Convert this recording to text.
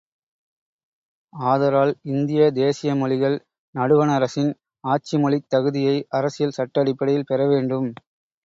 ஆதலால், இந்திய தேசிய மொழிகள் நடுவணரசின் ஆட்சி மொழித் தகுதியை அரசியல் சட்ட அடிப்படையில் பெறவேண்டும்.